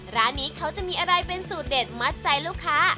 ร้านนี้เขาจะมีอะไรเป็นสูตรเด็ดมัดใจลูกค้า